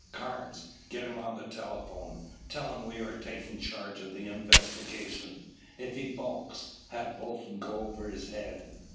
"Carnes, get him on the telephone. Tell him we are taking charge of the investigation. If he balks, have Bolton go over his head.